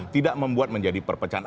tidak membuat menjadi perpecahan